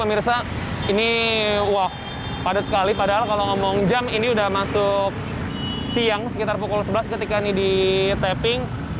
pemirsa ini wah padat sekali padahal kalau ngomong jam ini udah masuk siang sekitar pukul sebelas ketika ini di tapping